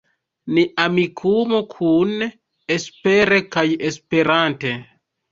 Ni Amikumu kune, espere kaj Esperante.